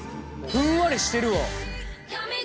ふんわりしてるわ。